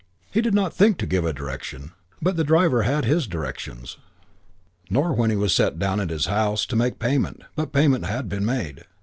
He did not think to give a direction, but the driver had his directions; nor, when he was set down at his house, to make payment; but payment had been made.